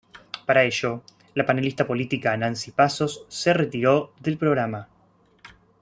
Por ello, la panelista política, Nancy Pazos, se retiró del programa.